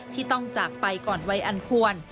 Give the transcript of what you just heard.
ที่ต้องจากไปก่อนวัยอันควร